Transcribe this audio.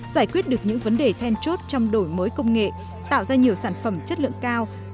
giải quyết được những vấn đề then chốt trong đổi mới công nghệ tạo ra nhiều sản phẩm chất lượng cao